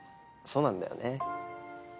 そうなんだよね。